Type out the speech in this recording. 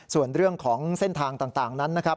ส่วนเรื่องของเส้นทางต่างนั้นนะครับ